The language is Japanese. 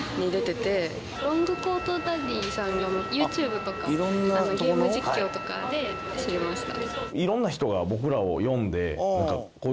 ロングコートダディさんのユーチューブとかゲーム実況とかで知りました。